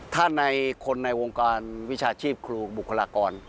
ถ้าในคนในวงการวิชาชีพครูบุคลากร